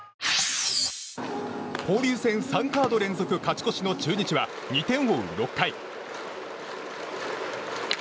交流戦３カード連続勝ち越しの中日は２点を追う６回。